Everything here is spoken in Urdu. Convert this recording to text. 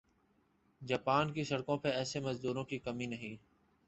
جاپان کی سڑکوں پر ایسے مزدوروں کی کمی نہیں